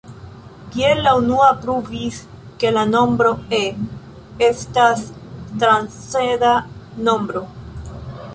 Kiel la unua pruvis, ke la nombro "e" estas transcenda nombro.